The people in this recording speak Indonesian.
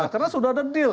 karena sudah ada deal